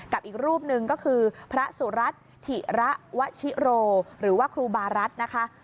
อีกรูปหนึ่งก็คือพระสุรัตน์ถิระวชิโรหรือว่าครูบารัฐนะคะ